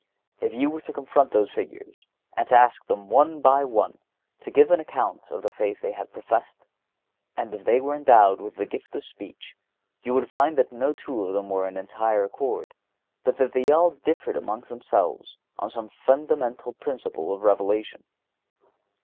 If you were to confront those figures, and to ask them, one by one, to give an account of the faith they had professed, and if they were endowed with the gift of speech, you would find that no two of them were in entire accord, but that they all differed among themselves on some fundamental principle of revelation.